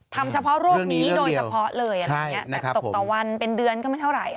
ทำเฉพาะโรคนี้โดยเฉพาะเลยตกต่อวันเป็นเดือนก็ไม่เท่าไหร่